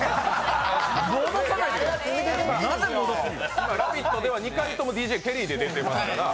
今、「ラヴィット！」では２回ともＤＪＫＥＬＬＹで出てますから。